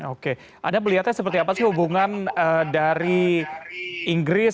oke anda melihatnya seperti apa sih hubungan dari inggris